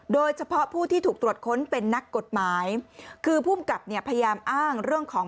โดยเฉพาะผู้ที่ถูกตรวจค้นเป็นนักกฎหมายคือภูมิกับเนี่ยพยายามอ้างเรื่องของ